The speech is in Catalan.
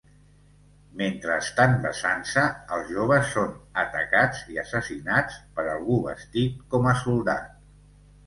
Mentre estan besant-se, els joves són atacats i assassinats per algú vestit com a soldat.